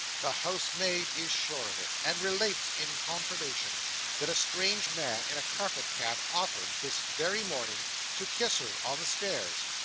The housemaid is sure of it; and relates, in confirmation, that a strange man, in a carpet cap, offered, this very morning, to kiss her on the stairs.